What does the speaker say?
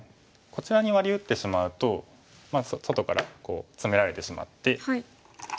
こちらにワリ打ってしまうと外からこうツメられてしまって。